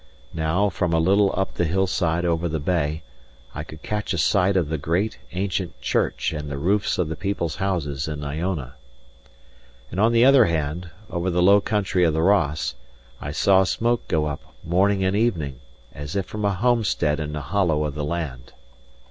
Now, from a little up the hillside over the bay, I could catch a sight of the great, ancient church and the roofs of the people's houses in Iona. And on the other hand, over the low country of the Ross, I saw smoke go up, morning and evening, as if from a homestead in a hollow of the land.